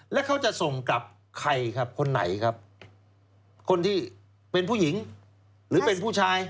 แล้วเขาจะส่งกลับใครครับคนไหนครับคนที่เป็นผู้หญิงหรือเป็นผู้ชาย